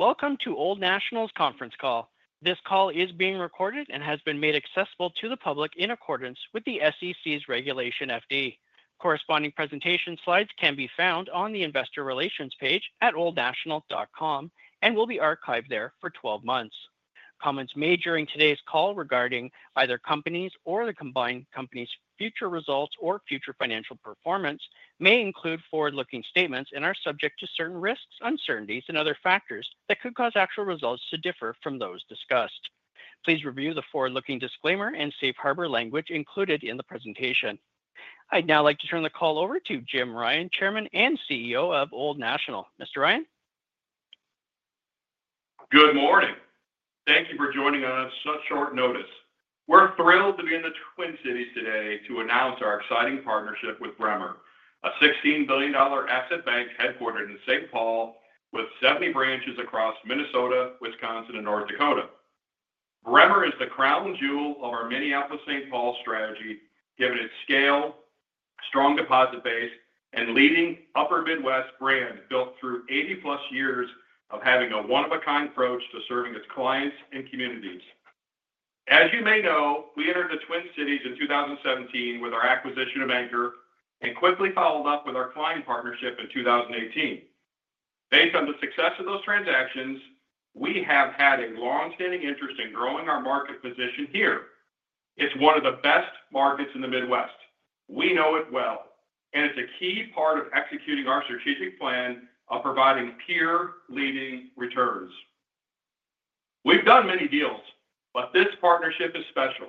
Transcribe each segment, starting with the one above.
Welcome to Old National's Conference Call. This call is being recorded and has been made accessible to the public in accordance with the SEC's Regulation FD. Corresponding presentation slides can be found on the Investor Relations page at oldnational.com and will be archived there for 12 months. Comments made during today's call regarding either companies or the combined company's future results or future financial performance may include forward-looking statements and are subject to certain risks, uncertainties, and other factors that could cause actual results to differ from those discussed. Please review the forward-looking disclaimer and safe harbor language included in the presentation. I'd now like to turn the call over to Jim Ryan, Chairman and CEO of Old National. Mr. Ryan. Good morning. Thank you for joining us on such short notice. We're thrilled to be in the Twin Cities today to announce our exciting partnership with Bremer, a $16 billion asset bank headquartered in St. Paul with 70 branches across Minnesota, Wisconsin, and North Dakota. Bremer is the crown jewel of our Minneapolis-St. Paul strategy, given its scale, strong deposit base, and leading Upper Midwest brand built through 80-plus years of having a one-of-a-kind approach to serving its clients and communities. As you may know, we entered the Twin Cities in 2017 with our acquisition of Anchor and quickly followed up with our client partnership in 2018. Based on the success of those transactions, we have had a long-standing interest in growing our market position here. It's one of the best markets in the Midwest. We know it well, and it's a key part of executing our strategic plan of providing peer-leading returns. We've done many deals, but this partnership is special.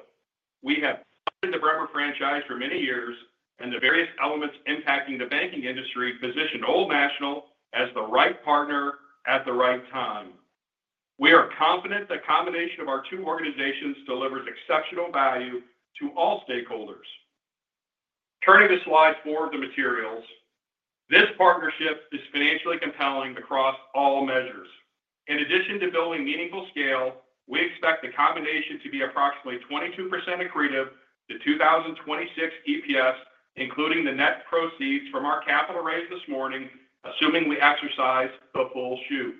We have funded the Bremer franchise for many years, and the various elements impacting the banking industry position Old National as the right partner at the right time. We are confident the combination of our two organizations delivers exceptional value to all stakeholders. Turning to slide four of the materials, this partnership is financially compelling across all measures. In addition to building meaningful scale, we expect the combination to be approximately 22% accretive to 2026 EPS, including the net proceeds from our capital raised this morning, assuming we exercise the full shoe.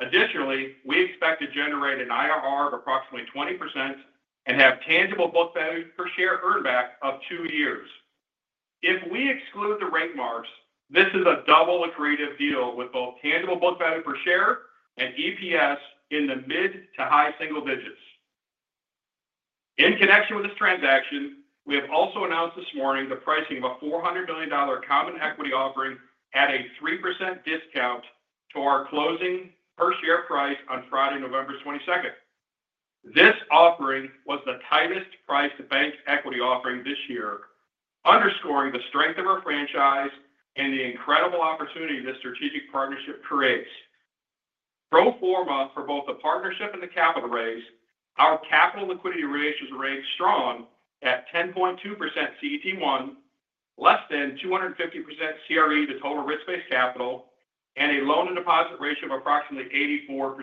Additionally, we expect to generate an IRR of approximately 20% and have tangible book value per share earnback of two years. If we exclude the rate marks, this is a double accretive deal with both tangible book value per share and EPS in the mid to high single digits. In connection with this transaction, we have also announced this morning the pricing of a $400 million common equity offering at a 3% discount to our closing per share price on Friday, November 22nd. This offering was the tightest price-to-bank equity offering this year, underscoring the strength of our franchise and the incredible opportunity this strategic partnership creates. Pro forma for both the partnership and the capital raise, our capital liquidity ratio is rated strong at 10.2% CET1, less than 250% CRE to total risk-based capital, and a loan-to-deposit ratio of approximately 84%.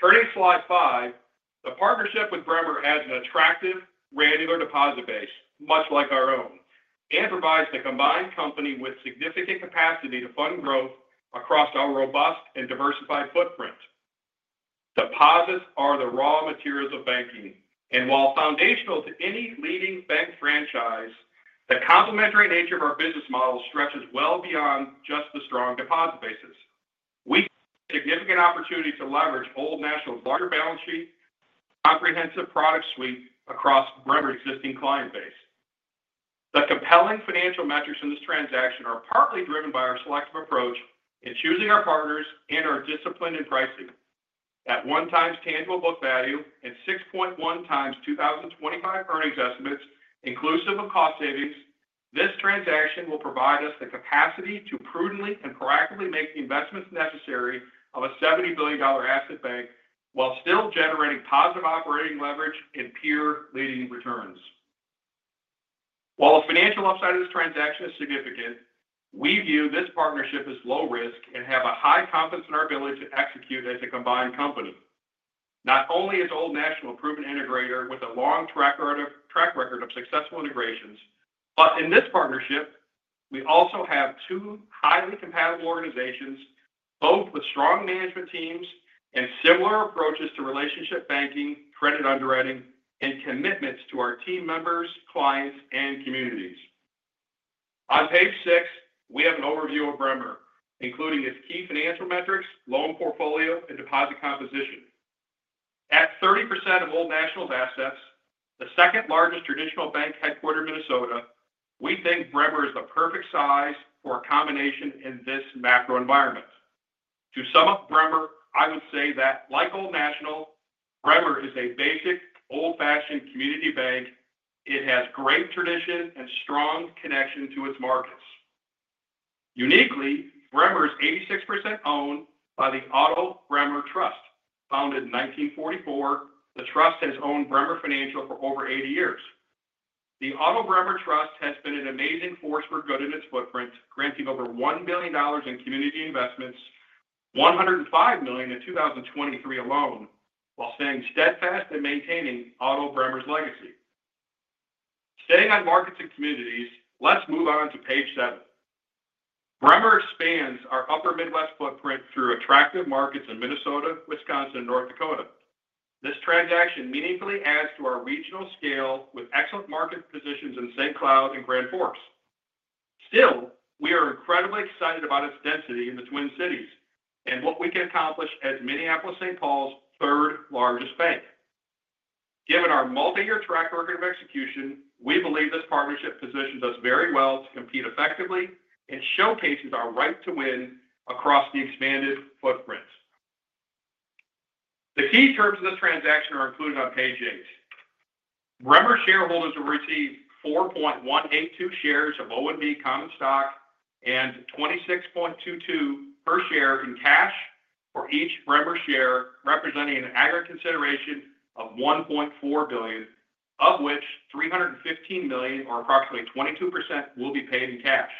Turning to slide five, the partnership with Bremer has an attractive regular deposit base, much like our own, and provides the combined company with significant capacity to fund growth across our robust and diversified footprint. Deposits are the raw materials of banking, and while foundational to any leading bank franchise, the complementary nature of our business model stretches well beyond just the strong deposit bases. We have a significant opportunity to leverage Old National's larger balance sheet and comprehensive product suite across Bremer's existing client base. The compelling financial metrics in this transaction are partly driven by our selective approach in choosing our partners and our discipline in pricing. At one times tangible book value and 6.1 times 2025 earnings estimates, inclusive of cost savings, this transaction will provide us the capacity to prudently and proactively make the investments necessary of a $70 billion asset bank while still generating positive operating leverage and peer-leading returns. While the financial upside of this transaction is significant, we view this partnership as low risk and have a high confidence in our ability to execute as a combined company. Not only is Old National a proven integrator with a long track record of successful integrations, but in this partnership, we also have two highly compatible organizations, both with strong management teams and similar approaches to relationship banking, credit underwriting, and commitments to our team members, clients, and communities. On page six, we have an overview of Bremer, including its key financial metrics, loan portfolio, and deposit composition. At 30% of Old National's assets, the second largest traditional bank headquartered in Minnesota, we think Bremer is the perfect size for a combination in this macro environment. To sum up Bremer, I would say that, like Old National, Bremer is a basic, old-fashioned community bank. It has great tradition and strong connection to its markets. Uniquely, Bremer is 86% owned by the Otto Bremer Trust, founded in 1944. The trust has owned Bremer Financial for over 80 years. The Otto Bremer Trust has been an amazing force for good in its footprint, granting over $1 million in community investments, $105 million in 2023 alone, while staying steadfast in maintaining Otto Bremer's legacy. Staying on markets and communities, let's move on to page seven. Bremer expands our upper Midwest footprint through attractive markets in Minnesota, Wisconsin, and North Dakota. This transaction meaningfully adds to our regional scale with excellent market positions in St. Cloud and Grand Forks. Still, we are incredibly excited about its density in the Twin Cities and what we can accomplish as Minneapolis-St. Paul's third largest bank. Given our multi-year track record of execution, we believe this partnership positions us very well to compete effectively and showcases our right to win across the expanded footprint. The key terms of this transaction are included on page eight. Bremer shareholders will receive 4.182 shares of ONB Common Stock and $26.22 per share in cash for each Bremer share, representing an aggregate consideration of $1.4 billion, of which $315 million, or approximately 22%, will be paid in cash.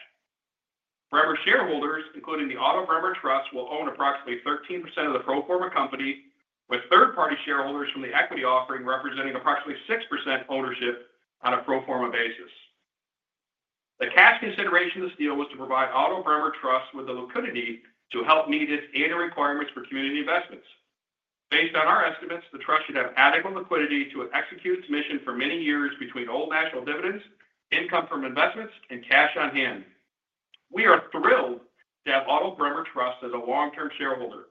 Bremer shareholders, including the Otto Bremer Trust, will own approximately 13% of the pro forma company, with third-party shareholders from the equity offering representing approximately 6% ownership on a pro forma basis. The cash consideration of this deal was to provide Otto Bremer Trust with the liquidity to help meet its annual requirements for community investments. Based on our estimates, the trust should have adequate liquidity to execute its mission for many years between Old National dividends, income from investments, and cash on hand. We are thrilled to have Otto Bremer Trust as a long-term shareholder.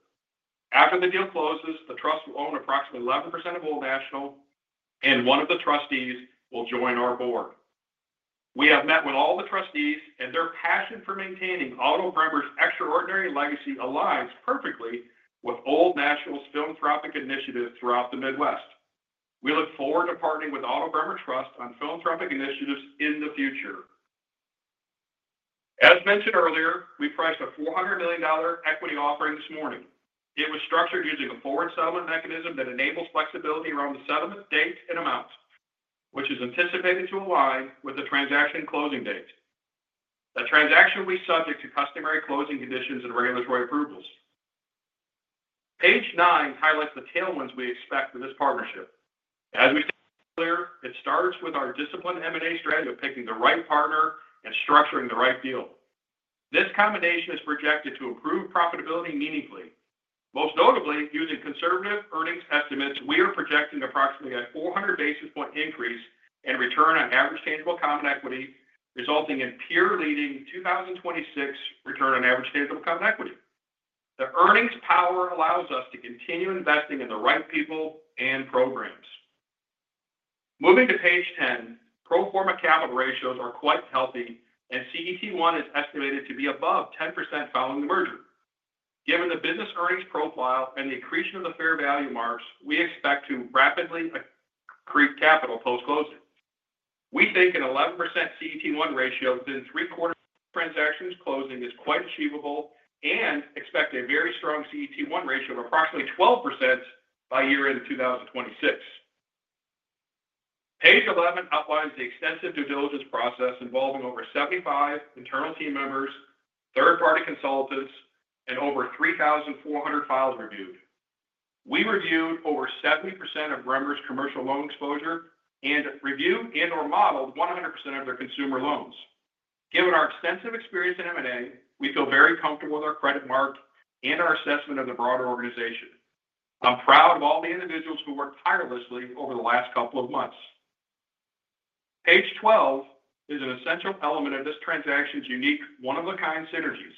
After the deal closes, the trust will own approximately 11% of Old National, and one of the trustees will join our board. We have met with all the trustees, and their passion for maintaining Otto Bremer's extraordinary legacy aligns perfectly with Old National's philanthropic initiatives throughout the Midwest. We look forward to partnering with Otto Bremer Trust on philanthropic initiatives in the future. As mentioned earlier, we priced a $400 million equity offering this morning. It was structured using a forward settlement mechanism that enables flexibility around the settlement date and amount, which is anticipated to align with the transaction closing date. The transaction will be subject to customary closing conditions and regulatory approvals. Page nine highlights the tailwinds we expect for this partnership. As we stated earlier, it starts with our disciplined M&A strategy of picking the right partner and structuring the right deal. This combination is projected to improve profitability meaningfully. Most notably, using conservative earnings estimates, we are projecting approximately a 400 basis point increase in return on average tangible common equity, resulting in peer-leading 2026 return on average tangible common equity. The earnings power allows us to continue investing in the right people and programs. Moving to page 10, pro forma capital ratios are quite healthy, and CET1 is estimated to be above 10% following the merger. Given the business earnings profile and the accretion of the fair value marks, we expect to rapidly accrete capital post-closing. We think an 11% CET1 ratio within three-quarters of transactions closing is quite achievable and expect a very strong CET1 ratio of approximately 12% by year-end 2026. Page 11 outlines the extensive due diligence process involving over 75 internal team members, third-party consultants, and over 3,400 files reviewed. We reviewed over 70% of Bremer's commercial loan exposure and reviewed and/or modeled 100% of their consumer loans. Given our extensive experience in M&A, we feel very comfortable with our credit mark and our assessment of the broader organization. I'm proud of all the individuals who worked tirelessly over the last couple of months. Page 12 is an essential element of this transaction's unique, one-of-a-kind synergies.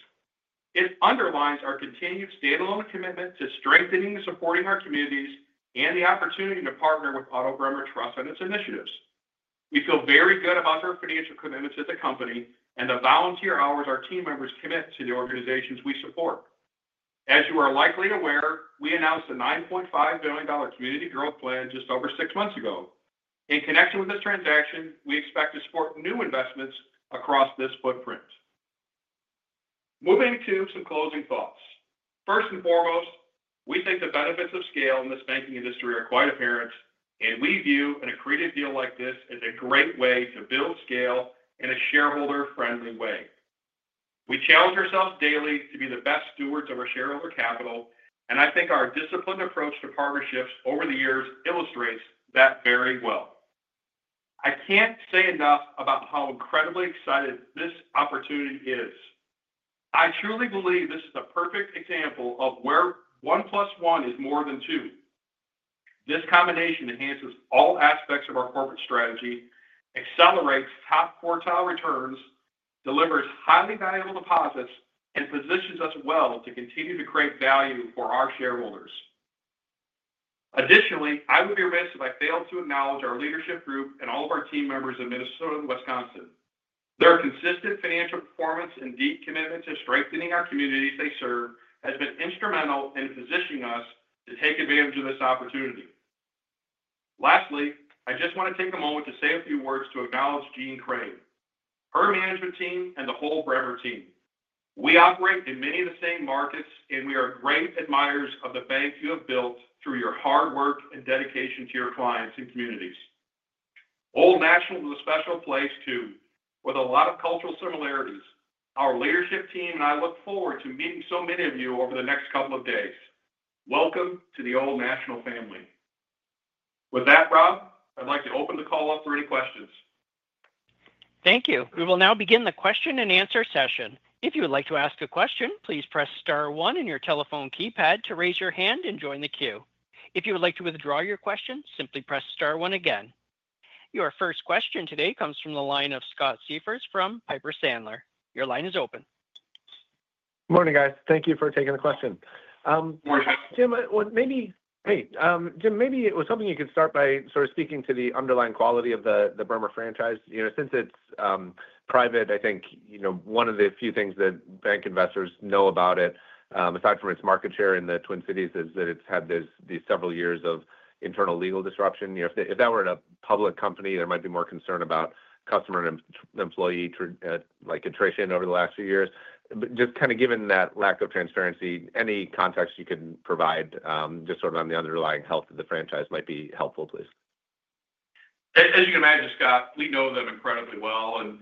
It underlines our continued standalone commitment to strengthening and supporting our communities and the opportunity to partner with Otto Bremer Trust on its initiatives. We feel very good about our financial commitments to the company and the volunteer hours our team members commit to the organizations we support. As you are likely aware, we announced a $9.5 billion community growth plan just over six months ago. In connection with this transaction, we expect to support new investments across this footprint. Moving to some closing thoughts. First and foremost, we think the benefits of scale in this banking industry are quite apparent, and we view an accretive deal like this as a great way to build scale in a shareholder-friendly way. We challenge ourselves daily to be the best stewards of our shareholder capital, and I think our disciplined approach to partnerships over the years illustrates that very well. I can't say enough about how incredibly excited this opportunity is. I truly believe this is a perfect example of where one plus one is more than two. This combination enhances all aspects of our corporate strategy, accelerates top quartile returns, delivers highly valuable deposits, and positions us well to continue to create value for our shareholders. Additionally, I would be remiss if I failed to acknowledge our leadership group and all of our team members in Minnesota and Wisconsin. Their consistent financial performance and deep commitment to strengthening our communities they serve has been instrumental in positioning us to take advantage of this opportunity. Lastly, I just want to take a moment to say a few words to acknowledge Jeanne Crain, her management team, and the whole Bremer team. We operate in many of the same markets, and we are great admirers of the bank you have built through your hard work and dedication to your clients and communities. Old National is a special place too, with a lot of cultural similarities. Our leadership team and I look forward to meeting so many of you over the next couple of days. Welcome to the Old National family. With that, Rob, I'd like to open the call up for any questions. Thank you. We will now begin the question and answer session. If you would like to ask a question, please press star one in your telephone keypad to raise your hand and join the queue. If you would like to withdraw your question, simply press star one again. Your first question today comes from the line of Scott Siefers from Piper Sandler. Your line is open. Good morning, guys. Thank you for taking the question. Jim, maybe it was something you could start by sort of speaking to the underlying quality of the Bremer franchise. Since it's private, I think one of the few things that bank investors know about it, aside from its market share in the Twin Cities, is that it's had these several years of internal legal disruption. If that were a public company, there might be more concern about customer and employee attrition over the last few years. Just kind of given that lack of transparency, any context you can provide just sort of on the underlying health of the franchise might be helpful, please. As you can imagine, Scott, we know them incredibly well, and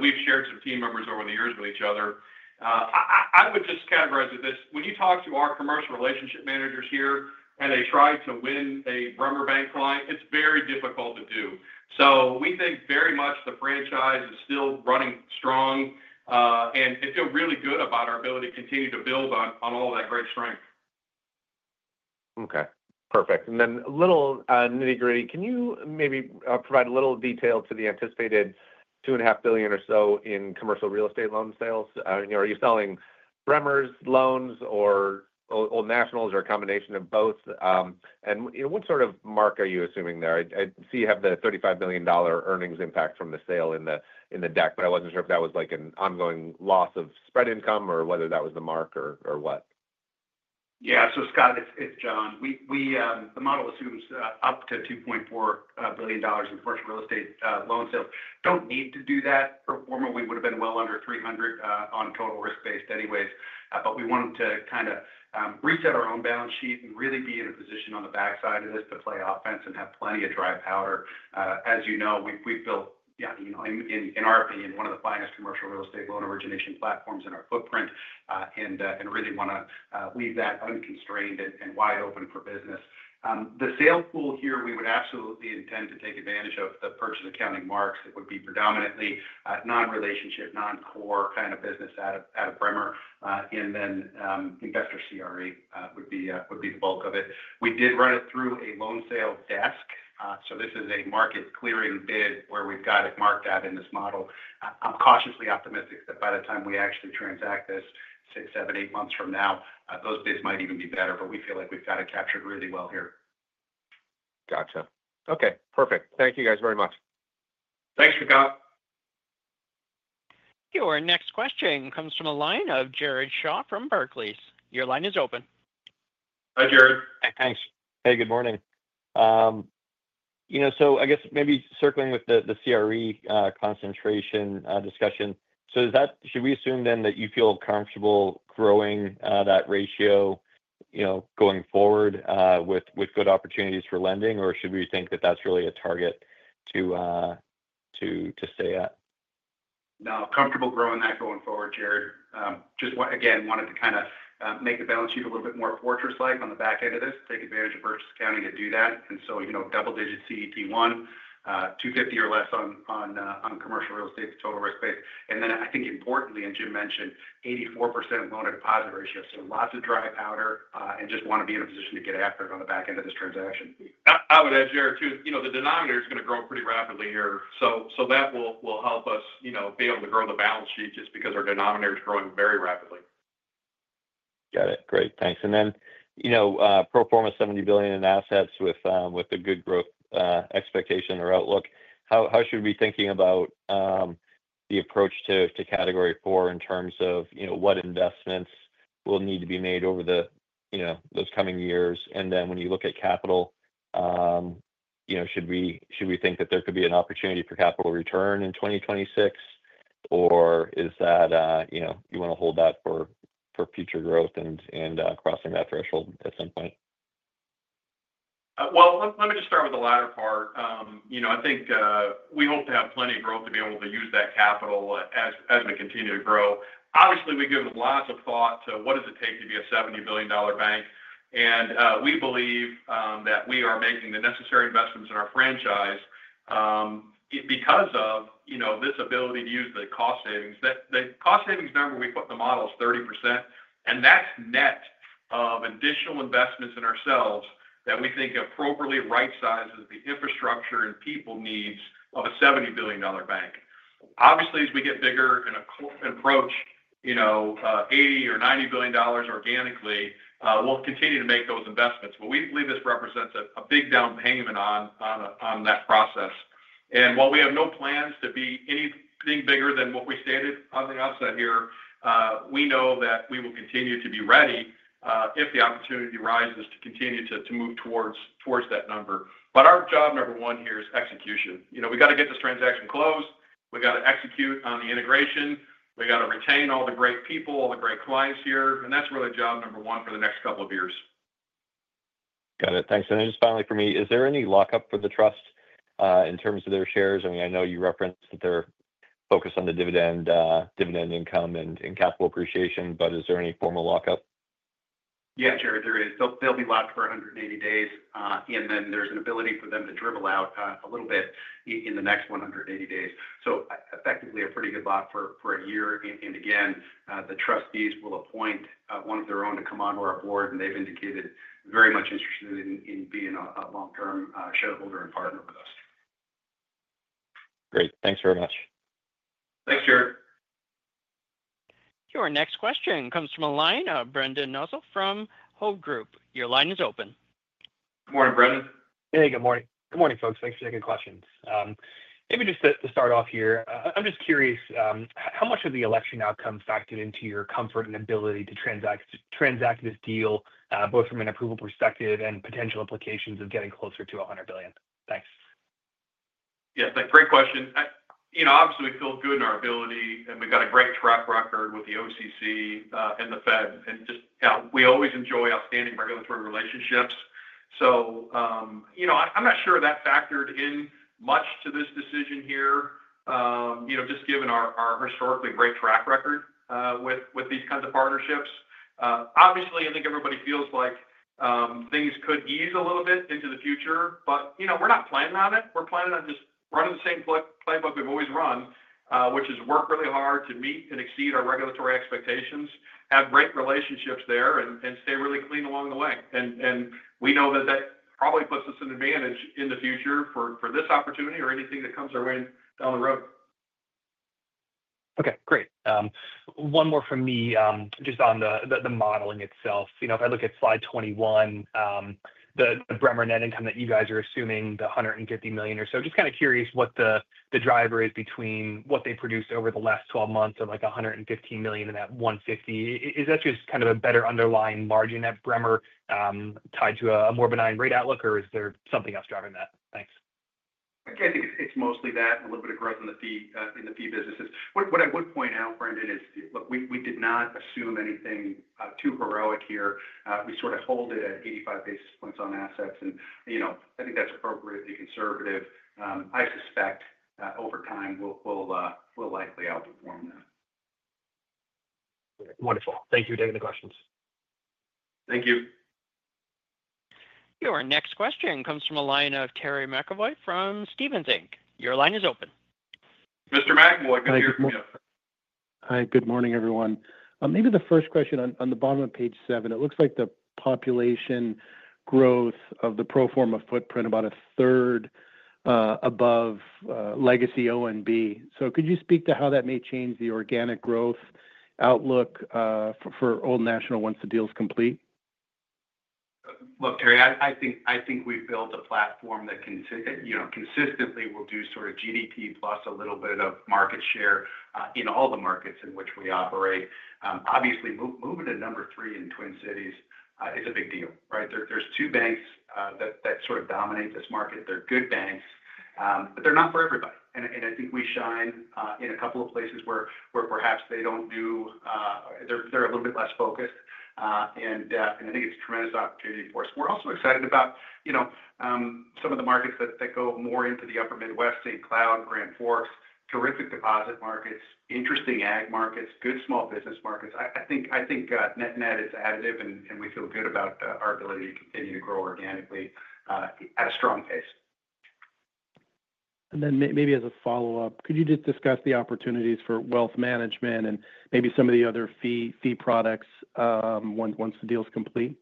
we've shared some team members over the years with each other. I would just categorize it this: when you talk to our commercial relationship managers here and they try to win a Bremer Bank client, it's very difficult to do. So we think very much the franchise is still running strong, and they feel really good about our ability to continue to build on all of that great strength. Okay. Perfect. And then a little nitty-gritty, can you maybe provide a little detail to the anticipated $2.5 billion or so in commercial real estate loan sales? Are you selling Bremer's loans or Old National's or a combination of both? And what sort of mark are you assuming there? I see you have the $35 million earnings impact from the sale in the deck, but I wasn't sure if that was like an ongoing loss of spread income or whether that was the mark or what. Yeah. So Scott, it's John. The model assumes up to $2.4 billion in commercial real estate loan sales. Don't need to do that. However, we would have been well under 300 on total risk-based anyways. But we wanted to kind of reset our own balance sheet and really be in a position on the backside of this to play offense and have plenty of dry powder. As you know, we've built, in our opinion, one of the finest commercial real estate loan origination platforms in our footprint and really want to leave that unconstrained and wide open for business. The sales pool here, we would absolutely intend to take advantage of the purchase accounting marks. It would be predominantly non-relationship, non-core kind of business out of Bremer, and then investor CRE would be the bulk of it. We did run it through a loan sale desk. So this is a market-clearing bid where we've got it marked out in this model. I'm cautiously optimistic that by the time we actually transact this, six, seven, eight months from now, those bids might even be better, but we feel like we've got it captured really well here. Gotcha. Okay. Perfect. Thank you guys very much. Thanks, Scott. Your next question comes from a line of Jared Shaw from Barclays. Your line is open. Hi, Jared. Thanks. Hey, good morning. So I guess maybe circling with the CRE concentration discussion, so should we assume then that you feel comfortable growing that ratio going forward with good opportunities for lending, or should we think that that's really a target to stay at? No, comfortable growing that going forward, Jared. Just again, wanted to kind of make the balance sheet a little bit more fortress-like on the back end of this, take advantage of purchase accounting to do that. And so double-digit CET1, 250 or less on commercial real estate, the total risk-based. And then I think importantly, as Jim mentioned, 84% loan-to-deposit ratio. So lots of dry powder and just want to be in a position to get after it on the back end of this transaction. I would add, Jared, too, the denominator is going to grow pretty rapidly here. So that will help us be able to grow the balance sheet just because our denominator is growing very rapidly. Got it. Great. Thanks. And then pro forma $70 billion in assets with a good growth expectation or outlook. How should we be thinking about the approach to category IV in terms of what investments will need to be made over those coming years? And then when you look at capital, should we think that there could be an opportunity for capital return in 2026, or is that you want to hold that for future growth and crossing that threshold at some point? Well, let me just start with the latter part. I think we hope to have plenty of growth to be able to use that capital as we continue to grow. Obviously, we give lots of thought to what does it take to be a $70 billion bank. We believe that we are making the necessary investments in our franchise because of this ability to use the cost savings. The cost savings number we put in the model is 30%, and that's net of additional investments in ourselves that we think appropriately right-sizes the infrastructure and people needs of a $70 billion bank. Obviously, as we get bigger and approach $80 or $90 billion organically, we'll continue to make those investments. We believe this represents a big down payment on that process. While we have no plans to be anything bigger than what we stated on the outset here, we know that we will continue to be ready if the opportunity arises to continue to move towards that number. Our job number one here is execution. We got to get this transaction closed. We got to execute on the integration. We got to retain all the great people, all the great clients here. And that's really job number one for the next couple of years. Got it. Thanks. And then just finally for me, is there any lockup for the trust in terms of their shares? I mean, I know you referenced that they're focused on the dividend income and capital appreciation, but is there any formal lockup? Yeah, Jared, there is. They'll be locked for 180 days, and then there's an ability for them to dribble out a little bit in the next 180 days. So effectively a pretty good lock for a year. And again, the trustees will appoint one of their own to come onto our board, and they've indicated very much interested in being a long-term shareholder and partner with us. Great. Thanks very much. Thanks, Jared. Your next question comes from a line of Brendan Nosal from Hovde Group. Your line is open. Good morning, Brendan. Hey, good morning. Good morning, folks. Thanks for taking questions. Maybe just to start off here, I'm just curious, how much of the election outcome factored into your comfort and ability to transact this deal, both from an approval perspective and potential implications of getting closer to 100 billion? Thanks. Yeah, great question. Obviously, we feel good in our ability, and we've got a great track record with the OCC and the Fed. And just we always enjoy outstanding regulatory relationships. So I'm not sure that factored in much to this decision here, just given our historically great track record with these kinds of partnerships. Obviously, I think everybody feels like things could ease a little bit into the future, but we're not planning on it. We're planning on just running the same playbook we've always run, which is work really hard to meet and exceed our regulatory expectations, have great relationships there, and stay really clean along the way, and we know that that probably puts us at an advantage in the future for this opportunity or anything that comes our way down the road. Okay. Great. One more from me just on the modeling itself. If I look at slide 21, the Bremer net income that you guys are assuming, the $150 million or so, just kind of curious what the driver is between what they produced over the last 12 months of like $115 million and that $150 million. Is that just kind of a better underlying margin at Bremer tied to a more benign rate outlook, or is there something else driving that? Thanks. I think it's mostly that and a little bit of growth in the fee businesses. What I would point out, Brendan, is we did not assume anything too heroic here. We sort of hold it at 85 basis points on assets, and I think that's appropriately conservative. I suspect over time we'll likely outperform that. Wonderful. Thank you for taking the questions. Thank you. Your next question comes from a line of Terry McEvoy from Stephens Inc. Your line is open. Mr. McEvoy, good to hear from you. Hi, good morning, everyone. Maybe the first question on the bottom of page seven, it looks like the population growth of the pro forma footprint about a third above legacy O&B. So could you speak to how that may change the organic growth outlook for Old National once the deal's complete? Look, Terry, I think we've built a platform that consistently will do sort of GDP plus a little bit of market share in all the markets in which we operate. Obviously, moving to number three in Twin Cities is a big deal, right? There's two banks that sort of dominate this market. They're good banks, but they're not for everybody. And I think we shine in a couple of places where perhaps they don't. They're a little bit less focused. And I think it's a tremendous opportunity for us. We're also excited about some of the markets that go more into the Upper Midwest, St. Cloud, Grand Forks, terrific deposit markets, interesting ag markets, good small business markets. I think net-net is additive, and we feel good about our ability to continue to grow organically at a strong pace. And then maybe as a follow-up, could you just discuss the opportunities for wealth management and maybe some of the other fee products once the deal's complete?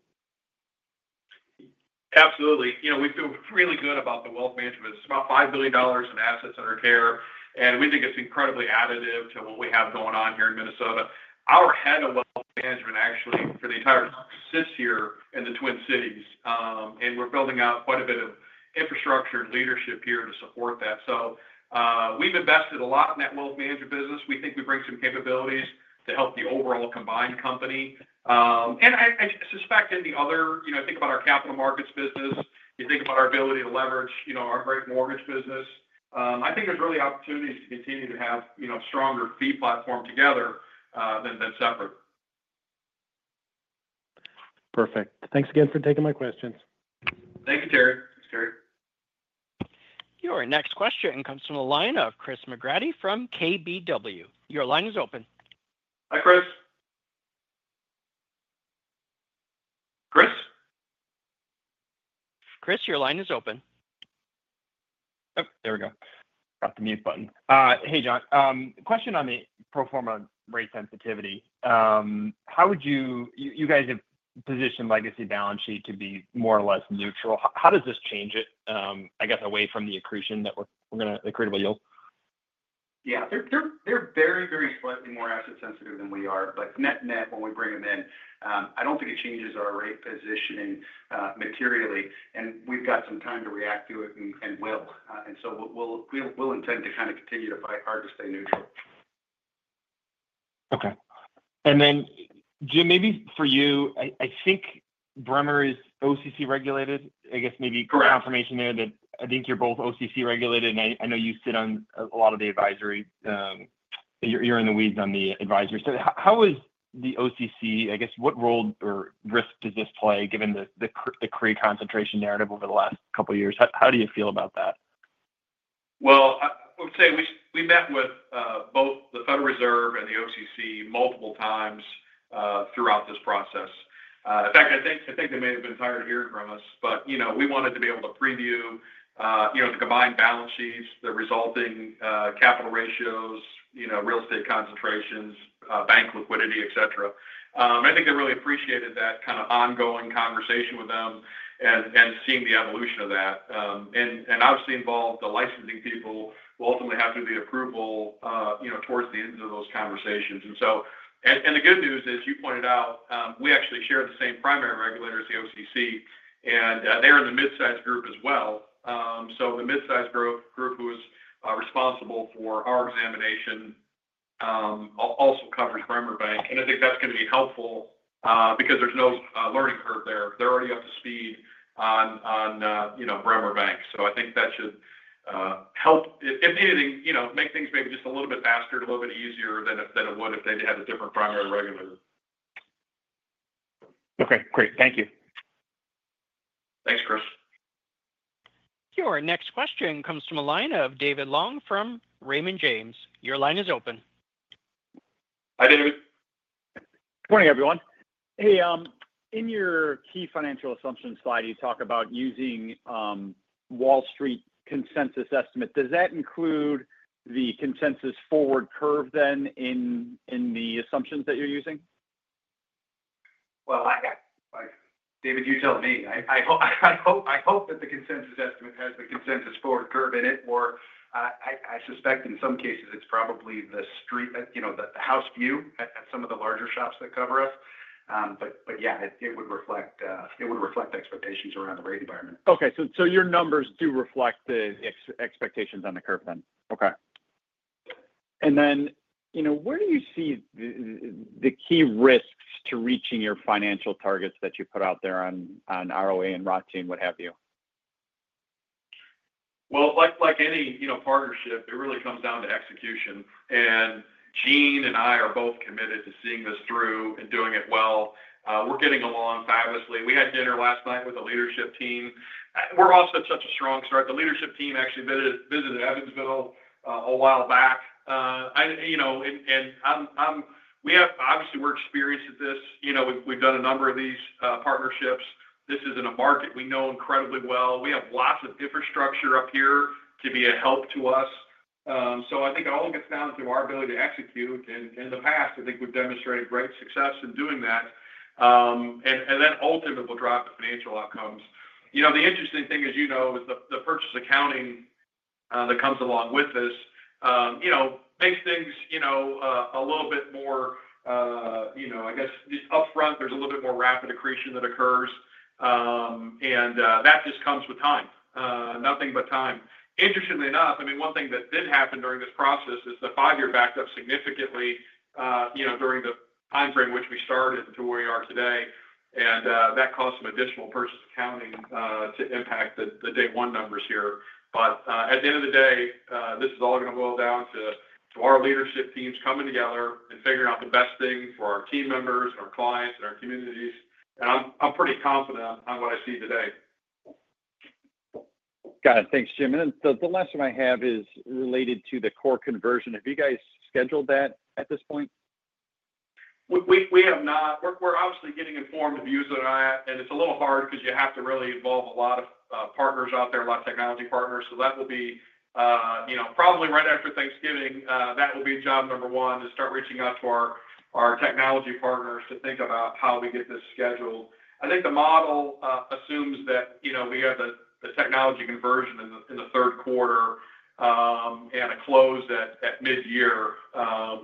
Absolutely. We feel really good about the wealth management. It's about $5 billion in assets under care, and we think it's incredibly additive to what we have going on here in Minnesota. Our head of wealth management actually for the entire company sits here in the Twin Cities, and we're building out quite a bit of infrastructure and leadership here to support that. So we've invested a lot in that wealth management business. We think we bring some capabilities to help the overall combined company. And I suspect in the other, think about our capital markets business. You think about our ability to leverage our great mortgage business. I think there's really opportunities to continue to have a stronger fee platform together than separate. Perfect. Thanks again for taking my questions. Thank you, Terry. Thanks, Terry. Your next question comes from a line of Chris McGratty from KBW. Your line is open. Hi, Chris. Chris? Chris, your line is open. There we go. Got the mute button. Hey, John. Question on the pro forma rate sensitivity. You guys have positioned legacy balance sheet to be more or less neutral. How does this change it, I guess, away from the accretion that we're going to accretable yield? Yeah. They're very, very slightly more asset-sensitive than we are, but net-net, when we bring them in, I don't think it changes our rate positioning materially. And we've got some time to react to it and will. And so we'll intend to kind of continue to fight hard to stay neutral. Okay. And then, Jim, maybe for you, I think Bremer is OCC regulated. I guess maybe confirmation there that I think you're both OCC regulated, and I know you sit on a lot of the advisory. You're in the weeds on the advisory. So how is the OCC, I guess, what role or risk does this play given the CRE concentration narrative over the last couple of years? How do you feel about that? Well, I would say we met with both the Federal Reserve and the OCC multiple times throughout this process. In fact, I think they may have been tired of hearing from us, but we wanted to be able to preview the combined balance sheets, the resulting capital ratios, real estate concentrations, bank liquidity, etc. I think they really appreciated that kind of ongoing conversation with them and seeing the evolution of that. And obviously, involve the licensing people will ultimately have to do the approval towards the end of those conversations. And the good news is, you pointed out, we actually share the same primary regulator as the OCC, and they're in the mid-size group as well. So the mid-size group who is responsible for our examination also covers Bremer Bank. And I think that's going to be helpful because there's no learning curve there. They're already up to speed on Bremer Bank. So I think that should help, if anything, make things maybe just a little bit faster, a little bit easier than it would if they had a different primary regulator. Okay. Great. Thank you. Thanks, Chris. Your next question comes from a line of David Long from Raymond James. Your line is open. Hi, David. Good morning, everyone. Hey, in your key financial assumptions slide, you talk about using Wall Street consensus estimate. Does that include the consensus forward curve then in the assumptions that you're using? Well, David, you tell me. I hope that the consensus estimate has the consensus forward curve in it, or I suspect in some cases, it's probably the Street, the house view at some of the larger shops that cover us. But yeah, it would reflect expectations around the rate environment. Okay. So your numbers do reflect the expectations on the curve then. Okay. And then where do you see the key risks to reaching your financial targets that you put out there on ROA and ROTCE and what have you? Well, like any partnership, it really comes down to execution. And Jim and I are both committed to seeing this through and doing it well. We're getting along fabulously. We had dinner last night with the leadership team. We're off to such a strong start. The leadership team actually visited Evansville a while back, and obviously, we're experienced at this. We've done a number of these partnerships. This is in a market we know incredibly well. We have lots of infrastructure up here to be a help to us, so I think it all gets down to our ability to execute, and in the past, I think we've demonstrated great success in doing that, and that ultimately will drive the financial outcomes. The interesting thing, as you know, is the Purchase Accounting that comes along with this makes things a little bit more, I guess, upfront. There's a little bit more rapid accretion that occurs, and that just comes with time, nothing but time. Interestingly enough, I mean, one thing that did happen during this process is the five-year backed up significantly during the timeframe which we started to where we are today, and that caused some additional purchase accounting to impact the day-one numbers here, but at the end of the day, this is all going to boil down to our leadership teams coming together and figuring out the best thing for our team members and our clients and our communities, and I'm pretty confident on what I see today. Got it. Thanks, Jim, and then the last one I have is related to the core conversion. Have you guys scheduled that at this point? We have not. We're obviously getting input from users, and it's a little hard because you have to really involve a lot of partners out there, a lot of technology partners. So that will be probably right after Thanksgiving. That will be job number one to start reaching out to our technology partners to think about how we get this scheduled. I think the model assumes that we have the technology conversion in the third quarter and a close at mid-year.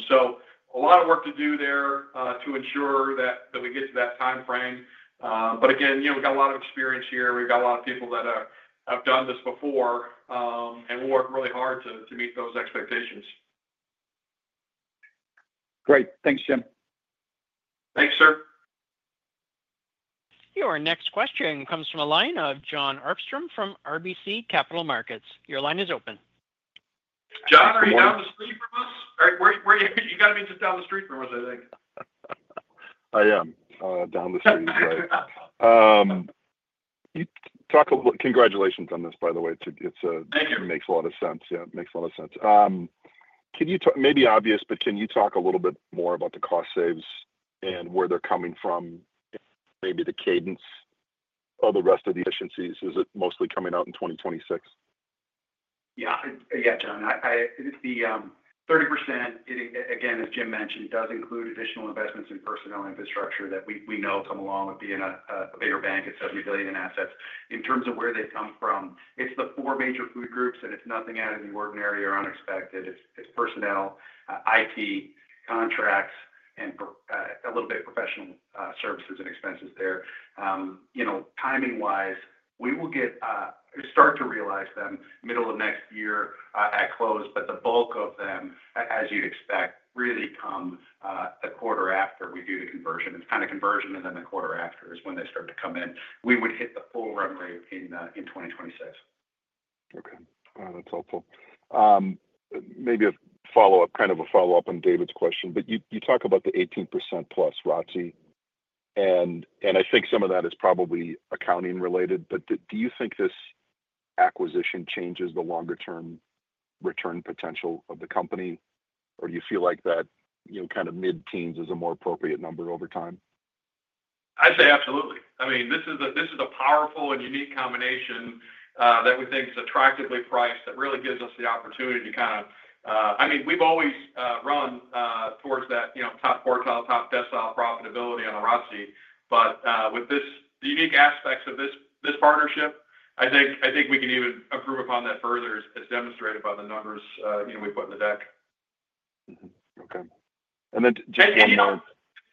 So a lot of work to do there to ensure that we get to that timeframe. But again, we've got a lot of experience here. We've got a lot of people that have done this before, and we'll work really hard to meet those expectations. Great. Thanks, Jim. Thanks, sir. Your next question comes from a line of Jon Arfstrom from RBC Capital Markets. Your line is open. Jon, are you down the street from us? You got to be just down the street from us, I think. I am down the street. Congratulations on this, by the way. It makes a lot of sense. Yeah, it makes a lot of sense. Maybe obvious, but can you talk a little bit more about the cost saves and where they're coming from, maybe the cadence of the rest of the efficiencies? Is it mostly coming out in 2026? Yeah. Yeah, John. The 30%, again, as Jim mentioned, does include additional investments in personnel and infrastructure that we know come along with being a bigger bank at $70 billion in assets. In terms of where they come from, it's the four major food groups, and it's nothing out of the ordinary or unexpected. It's personnel, IT, contracts, and a little bit of professional services and expenses there. Timing-wise, we will start to realize them middle of next year at close, but the bulk of them, as you'd expect, really come the quarter after we do the conversion. It's kind of conversion, and then the quarter after is when they start to come in. We would hit the full run rate in 2026. Okay. That's helpful. Maybe kind of a follow-up on David's question, but you talk about the 18% plus ROTCE, and I think some of that is probably accounting related. But do you think this acquisition changes the longer-term return potential of the company, or do you feel like that kind of mid-teens is a more appropriate number over time? I'd say absolutely. I mean, this is a powerful and unique combination that we think is attractively priced that really gives us the opportunity to kind of I mean, we've always run towards that top quartile, top decile profitability on a ROTCE, but with the unique aspects of this partnership, I think we can even improve upon that further, as demonstrated by the numbers we put in the deck. Okay. And then just one more,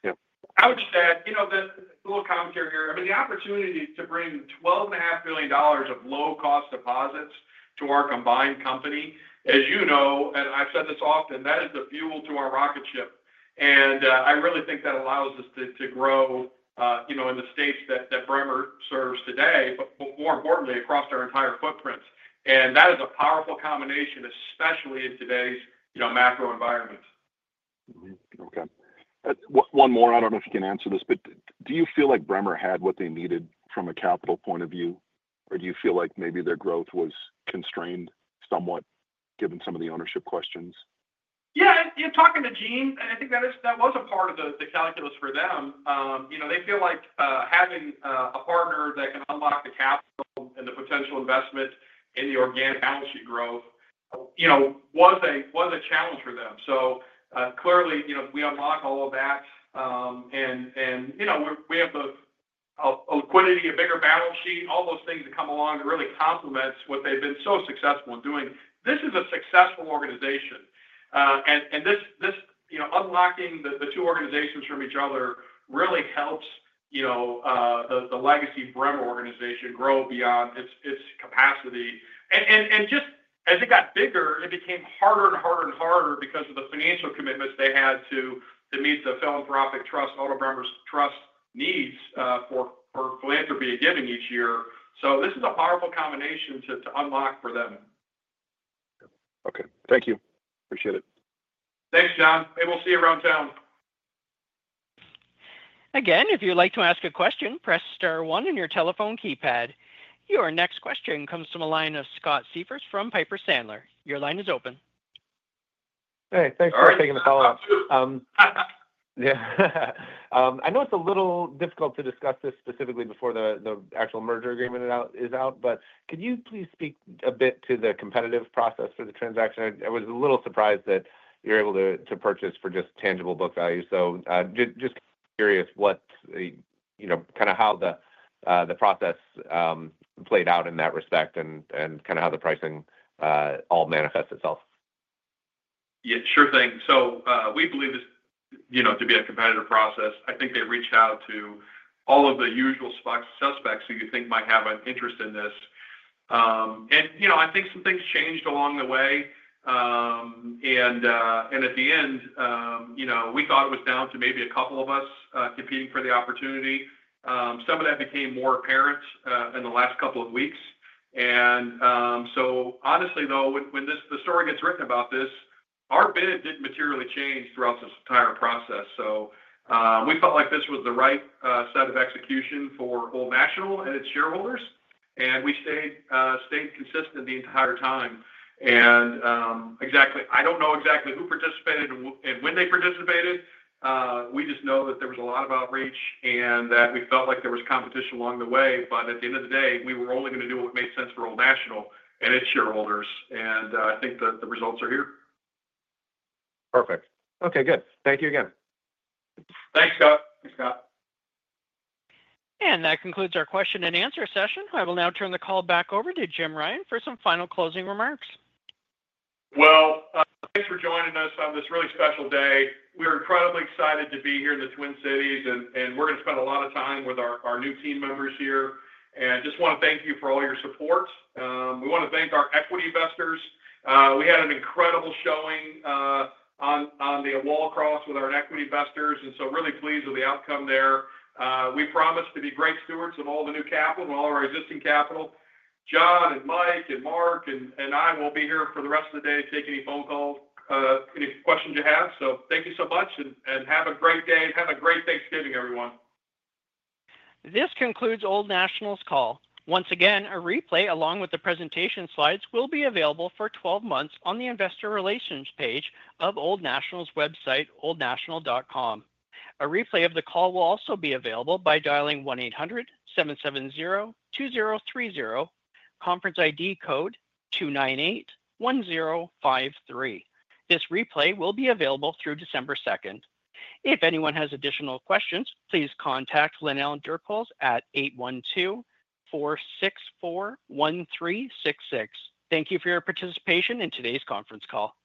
yeah. I would just add a little commentary here. I mean, the opportunity to bring $12.5 billion of low-cost deposits to our combined company, as you know, and I've said this often, that is the fuel to our rocket ship. And I really think that allows us to grow in the states that Bremer serves today, but more importantly, across our entire footprint. And that is a powerful combination, especially in today's macro environment. Okay. One more. I don't know if you can answer this, but do you feel like Bremer had what they needed from a capital point of view, or do you feel like maybe their growth was constrained somewhat given some of the ownership questions? Yeah. Talking to Jim, and I think that was a part of the calculus for them. They feel like having a partner that can unlock the capital and the potential investment in the organic balance sheet growth was a challenge for them. So clearly, we unlock all of that, and we have a liquidity, a bigger balance sheet, all those things that come along that really complements what they've been so successful in doing. This is a successful organization, and unlocking the two organizations from each other really helps the legacy Bremer organization grow beyond its capacity. Just as it got bigger, it became harder and harder and harder because of the financial commitments they had to meet the philanthropic trust, Otto Bremer Trust needs for philanthropy and giving each year. So this is a powerful combination to unlock for them. Okay. Thank you. Appreciate it. Thanks, John. And we'll see you around town. Again, if you'd like to ask a question, press star one on your telephone keypad. Your next question comes from a line of Scott Siefers from Piper Sandler. Your line is open. Hey, thanks for taking the follow-up. I know it's a little difficult to discuss this specifically before the actual merger agreement is out, but could you please speak a bit to the competitive process for the transaction? I was a little surprised that you're able to purchase for just tangible book value. So just curious kind of how the process played out in that respect and kind of how the pricing all manifests itself? Yeah. Sure thing. So we believe this to be a competitive process. I think they reached out to all of the usual suspects who you think might have an interest in this. And I think some things changed along the way. And at the end, we thought it was down to maybe a couple of us competing for the opportunity. Some of that became more apparent in the last couple of weeks. And so honestly, though, when the story gets written about this, our bid didn't materially change throughout this entire process. So we felt like this was the right set of execution for Old National and its shareholders, and we stayed consistent the entire time. And I don't know exactly who participated and when they participated. We just know that there was a lot of outreach and that we felt like there was competition along the way. But at the end of the day, we were only going to do what made sense for Old National and its shareholders. And I think the results are here. Perfect. Okay. Good. Thank you again. Thanks, Scott. Thanks, Scott. And that concludes our question and answer session. I will now turn the call back over to Jim Ryan for some final closing remarks. Well, thanks for joining us on this really special day. We're incredibly excited to be here in the Twin Cities, and we're going to spend a lot of time with our new team members here. And just want to thank you for all your support. We want to thank our equity investors. We had an incredible showing on the wall cross with our equity investors, and so really pleased with the outcome there. We promise to be great stewards of all the new capital and all our existing capital. John and Mike and Mark and I will be here for the rest of the day to take any phone calls, any questions you have. So thank you so much, and have a great day and have a great Thanksgiving, everyone. This concludes Old National's Call. Once again, a replay along with the presentation slides will be available for 12 months on the investor relations page of Old National's website, oldnational.com. A replay of the call will also be available by dialing 1-800-770-2030, conference ID code 298-1053. This replay will be available through December 2nd. If anyone has additional questions, please contact Lynell Walton at 812-464-1366. Thank you for your participation in today's conference call.